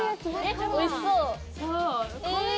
おいしそうえ！